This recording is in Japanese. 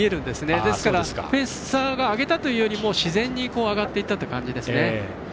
ですからペーサーが上げたというより自然に上がったという感じです。